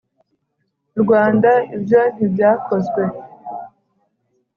rwanda, ibyo ntibyakozwe.